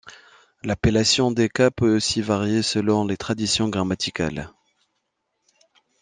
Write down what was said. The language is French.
L'appellation des cas peut aussi varier selon les traditions grammaticales.